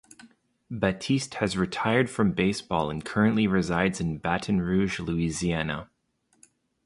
Batiste has retired from baseball and currently resides in Baton Rouge, Louisiana.